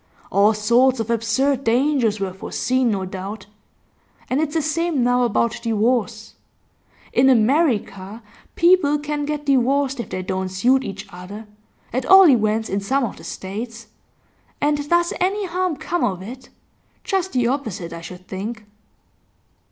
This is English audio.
All sorts of absurd dangers were foreseen, no doubt. And it's the same now about divorce. In America people can get divorced if they don't suit each other at all events in some of the States and does any harm come of it? Just the opposite I should think.